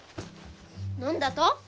なんだと！